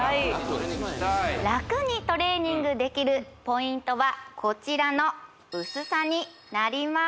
ラクにトレーニングできるポイントはこちらの薄さになります